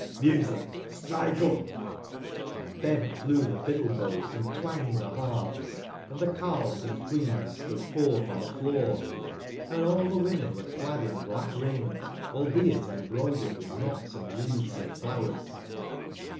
jVIusic, strike upt " tlhen flew the fiddle/bows and twanged the harps, and the carles and queens stood forth on 43 tbcfioor;<&aU the women were clad in black raiment, albeit embroidered witb knots and wreatbs of flow ers.